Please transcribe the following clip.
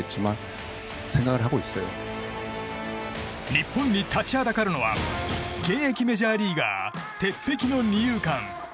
日本に立ちはだかるのは現役メジャーリーガー鉄壁の二遊間。